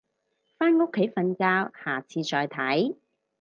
返屋企瞓覺，下次再睇